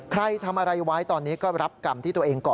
ใครทำอะไรไว้ตอนนี้ก็รับกรรมที่ตัวเองก่อ